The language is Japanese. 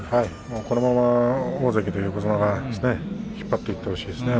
このまま大関、横綱が引っ張っていってほしいですね